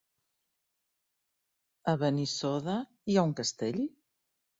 A Benissoda hi ha un castell?